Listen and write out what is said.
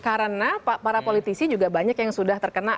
karena para politisi juga banyak yang sudah terkena